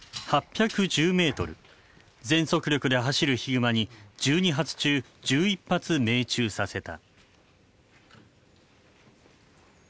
全速力で走るヒグマに１２発中１１発命中させた。